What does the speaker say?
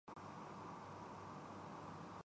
یہ مسائل اصل مسئلے سے کہیں زیادہ گمبھیر ہوتے ہیں۔